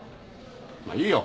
まあいいよ。